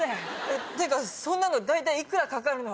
っていうかそんなの大体幾らかかるの？